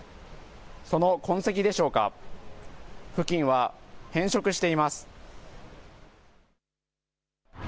その痕跡でしょうか、付近は変色しています。